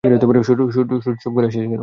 শুটু, চুপ করে আছিস কেন?